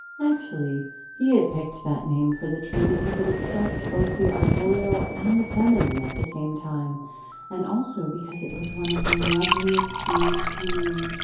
Actually, he had picked that name for the tree because it expressed both the arboreal and the feminine at the same time and also because it was one of the loveliest names he knew.